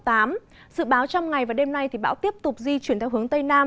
dự báo trong ngày và đêm nay thì bão tiếp tục di chuyển theo hướng tây nam